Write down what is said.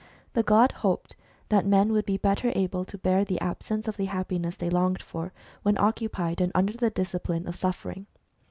The god hoped that men would be better able to bear the absence of the happiness they longed for, when occupied and under the discipline of suffering.